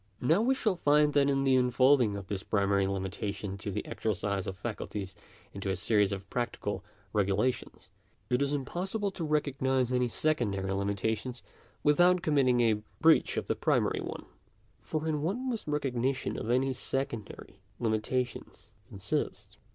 Now we shall find that in the unfolding of this primary limitation to the exercise of faculties into a series of practical regulations, it is impossible to recognise any secondary limita tions without committing a breach of the primary one. For, in what must recognition of any secondary limitations consist